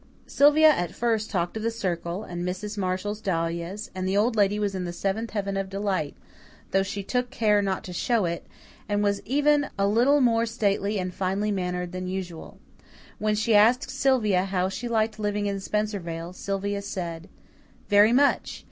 Sylvia at first talked of the Circle, and Mrs. Marshall's dahlias, and the Old Lady was in the seventh heaven of delight, though she took care not to show it, and was even a little more stately and finely mannered than usual. When she asked Sylvia how she liked living in Spencervale, Sylvia said, "Very much.